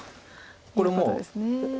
これもう。